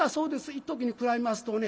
いっときに比べますとね。